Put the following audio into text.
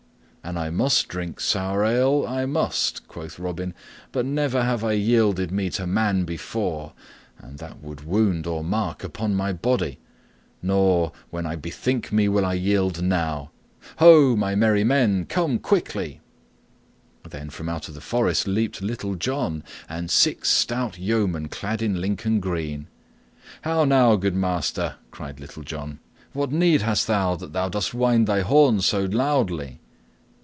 "An I must drink sour ale, I must," quoth Robin, "but never have I yielded me to man before, and that without wound or mark upon my body. Nor, when I bethink me, will I yield now. Ho, my merry men! Come quickly!" Then from out the forest leaped Little John and six stout yeomen clad in Lincoln green. "How now, good master," cried Little John, "what need hast thou that thou dost wind thy horn so loudly?"